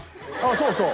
そうそう。